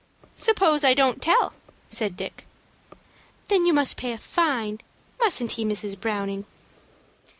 "Suppose I don't tell," said Dick. "Then you must pay a fine, mustn't he, Mrs. Browning?"